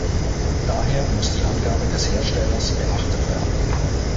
Daher muss die Angabe des Herstellers beachtet werden.